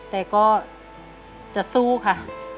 แต่ก็จะสู้ค่ะ